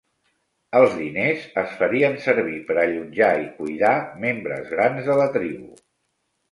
Els diners es farien servir per allotjar i cuidar membres grans de la tribu.